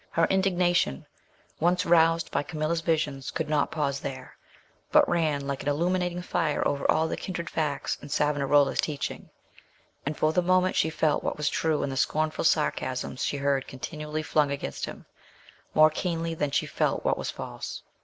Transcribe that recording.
Her indignation, once roused by Camilla's visions, could not pause there, but ran like an illuminating fire over all the kindred facts in Savonarola's teaching, and for the moment she felt what was true in the scornful sarcasms she heard continually flung against him, more keenly than she felt what was false.